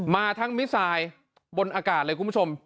มาทั้งมิสไซด์บนอากาศเลยคุณผู้ชม